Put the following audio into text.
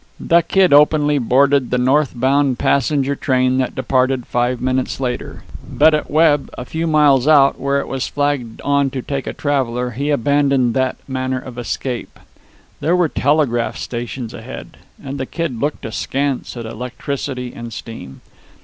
The Kid openly boarded the north bound passenger train that departed five minutes later. But at Webb, a few miles out, where it was flagged to take on a traveller, he abandoned that manner of escape. There were telegraph stations ahead; and the Kid looked askance at electricity and steam.